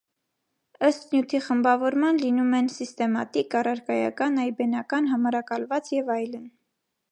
Ըստ նյութի խմբավորման լինում են՝ սիստեմատիկ, առարկայական, այբբենական, համարակալված և այլն։